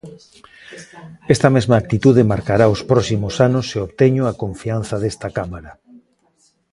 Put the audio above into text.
Esta mesma actitude marcará os próximos anos se obteño a confianza desta Cámara.